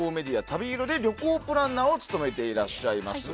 「旅色」で旅行プランナーを務めていらっしゃいます。